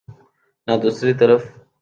نہ دوسری طرف۔